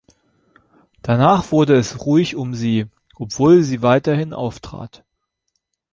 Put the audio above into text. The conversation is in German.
Danach wurde es ruhig um sie, obwohl sie weiterhin auftrat.